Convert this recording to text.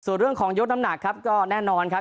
ส่วนเรื่องของยกน้ำหนักครับก็แน่นอนครับ